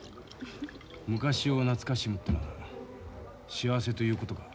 昔を懐かしむってのは幸せということか。